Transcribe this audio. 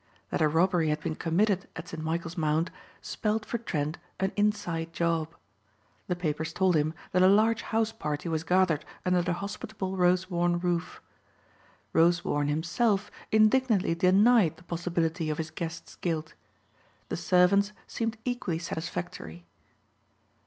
That a robbery had been committed at St. Michael's Mount spelled for Trent an inside job. The papers told him that a large house party was gathered under the hospitable Rosewarne roof. Rosewarne himself indignantly denied the possibility of his guests' guilt. The servants seemed equally satisfactory.